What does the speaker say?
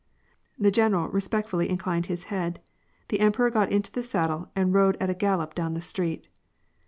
The general respectfully inclined his head ; the em peror got into the saddle and rode at a gallop down the street.